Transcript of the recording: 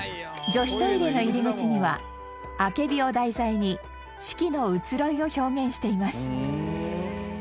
女子トイレの入り口にはアケビを題材に四季の移ろいを表現しています